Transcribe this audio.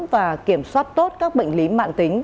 và kiểm soát tốt các bệnh lý mạng tính